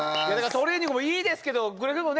トレーニングもいいですけどくれぐれもね